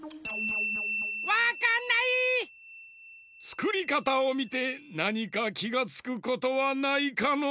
つくりかたをみてなにかきがつくことはないかの？